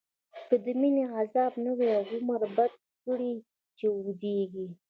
که دمينی عذاب نه وی، عمر بد کړی چی اوږديږی